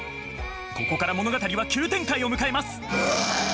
ここから物語は急展開を迎えます。